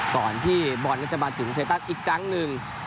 ก่อนที่บอลก็จะมาถึงเวตันอีกครั้งหนึ่ง